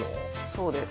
そうです